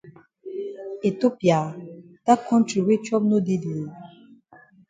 Ethiopia! Dat kontri wey chop no dey dey?